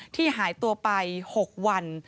หายตัวไป๖วัน